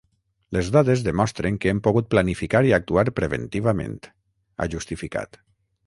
“Les dades demostren que hem pogut planificar i actuar preventivament”, ha justificat.